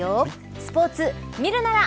スポーツ見るなら。